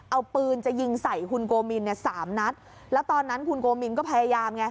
เอาปืนจะยิงใส่คุณโกมินเนี่ยสามนัดแล้วตอนนั้นคุณโกมินก็พยายามไง